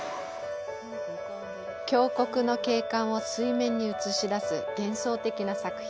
峡谷の景観を水面に映し出す幻想的な作品。